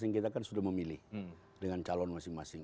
karena kita kan sudah memilih dengan calon masing masing